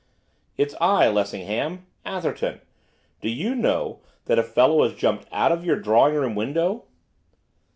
'It's I, Lessingham, Atherton. Do you know that a fellow has jumped out of your drawing room window?